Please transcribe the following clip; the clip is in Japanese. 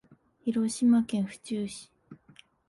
広島県府中市